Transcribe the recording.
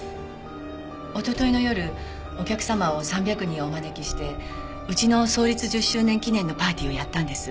おとといの夜お客様を３００人お招きしてうちの創立１０周年記念のパーティーをやったんです。